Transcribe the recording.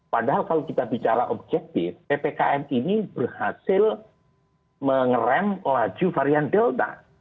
padahal kalau kita bicara objektif ppkm ini berhasil mengeram laju varian delta